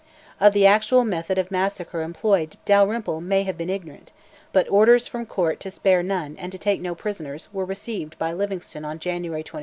Of the actual method of massacre employed Dalrymple may have been ignorant; but orders "from Court" to "spare none," and to take no prisoners, were received by Livingstone on January 23.